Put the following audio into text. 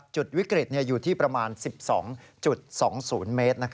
จุดวิกฤตอยู่ที่ประมาณ๑๒๒๐เมตร